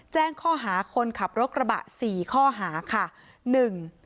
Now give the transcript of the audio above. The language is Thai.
แจ้งข้อหาคนขับรถกระบะสี่ข้อหาค่ะหนึ่ง